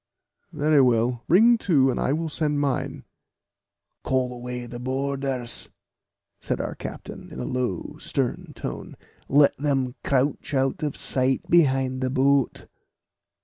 "Very well, bring to, and I will send mine." "Call away the boarders," said our captain, in a low stern tone; "let them crouch out of sight behind the boat."